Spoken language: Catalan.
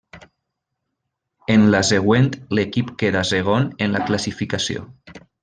En la següent l'equip queda segon en la classificació.